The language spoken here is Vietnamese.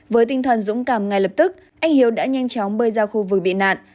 với tinh thần dũng cảm ngay lập tức anh hiếu đã nhanh chóng bơi ra khu vực bị nạn